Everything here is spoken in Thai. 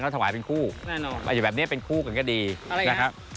เขาถวายเป็นคู่แน่นอนอาจจะแบบเนี้ยเป็นคู่กันก็ดีอะไรอย่างนี้นะครับ